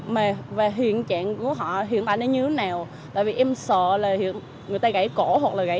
mà về hiện trạng của họ hiện tại nó như thế nào tại vì em sợ là người ta gãy cổ hoặc là gãy